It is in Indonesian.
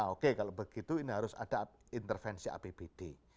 oke kalau begitu ini harus ada intervensi apbd